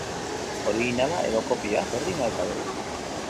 Orijinala edo kopia, berdin al zaigu?